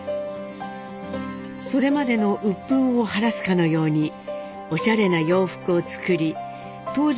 それまでの鬱憤を晴らすかのようにおしゃれな洋服を作り当時